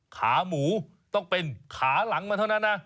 ขาหมูต้องเป็นขาหลังมาเท่านั้นนะ